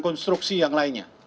konstruksi yang lainnya